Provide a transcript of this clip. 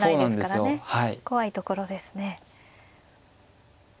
怖いところですね。